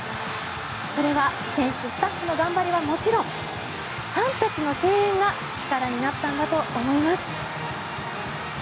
それは選手、スタッフの頑張りはもちろんファンたちの声援が力になったんだと思います。